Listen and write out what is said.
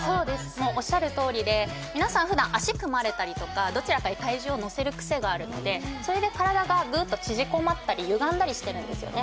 もうおっしゃるとおりで皆さん普段脚組まれたりとかどちらかに体重をのせる癖があるのでそれで体がグーっとちぢこまったり歪んだりしてるんですよね